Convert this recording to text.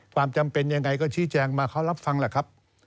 ความจำเป็นยังไงก็ชี้แจงมาเขารับฟังแหละครับ